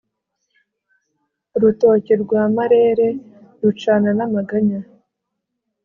urutoki rwa marere rucana namaganya